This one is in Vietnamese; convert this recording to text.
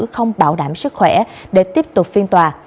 không bảo đảm sức khỏe để tiếp tục phiên tòa